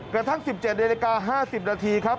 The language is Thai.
กระทั่ง๑๗นาฬิกา๕๐นาทีครับ